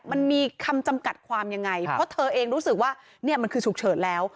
มันมีคำจำกัดความยังไงเพราะเธอเองรู้สึกว่าเนี่ยมันคือฉุกเฉินแล้ว